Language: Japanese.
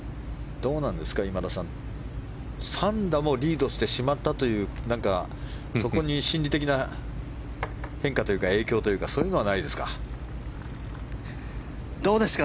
どうなんですか、今田さん３打もリードしてしまったというそこに心理的な変化というか影響というかそういうのはないですか？